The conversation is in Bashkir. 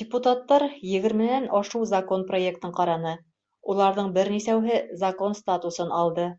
Депутаттар егерменән ашыу закон проектын ҡараны, уларҙың бер нисәүһе закон статусын алды.